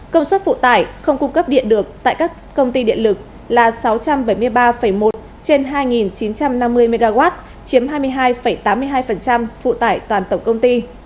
công suất phụ tải không cung cấp điện được tại các công ty điện lực là sáu trăm bảy mươi ba một trên hai chín trăm năm mươi mw chiếm hai mươi hai tám mươi hai phụ tải toàn tổng công ty